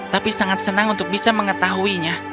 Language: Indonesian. tapi sangat senang untuk bisa mengetahuinya